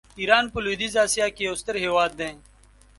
ایران په لویدیځه آسیا کې یو ستر هېواد دی.